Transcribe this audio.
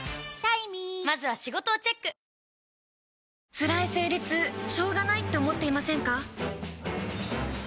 つらい生理痛しょうがないって思っていませんか？